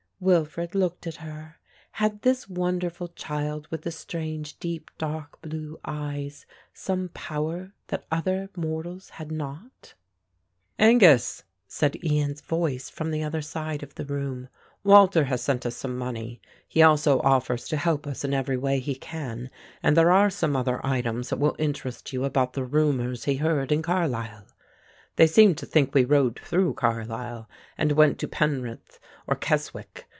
Wilfred looked at her. Had this wonderful child with the strange deep dark blue eyes some power that other mortals had not? "Angus," said Ian's voice from the other side of the room, "Walter has sent us some money; he also offers to help us in every way he can, and there are some other items that will interest you about the rumours he heard in Carlisle. They seem to think we rode through Carlisle and went to Penrith or Keswick.